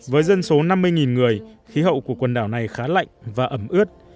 với dân số năm mươi người khí hậu của quần đảo này khá lạnh và ẩm ướt